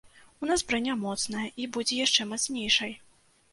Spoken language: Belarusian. У нас браня моцная, і будзе яшчэ мацнейшай.